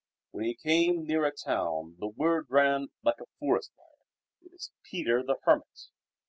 When he came near a town the word ran like a forest fire, "It is Peter the Hermit."